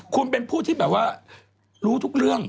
คุณเป็นผู้ที่แบบว่ารู้ทุกเรื่อง